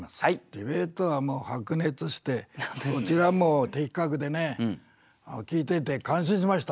ディベートはもう白熱してどちらも的確でね聞いてて感心しました。